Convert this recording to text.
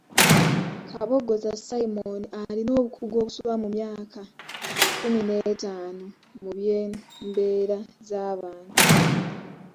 Kabogoza Simon alina obukugu obusoba mu myaka kkumi n'etaano mu by’embeera z’abantu.